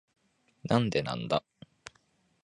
なんでなんだ？